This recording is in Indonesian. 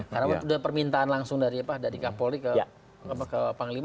karena udah permintaan langsung dari pak dhanika polri ke panglima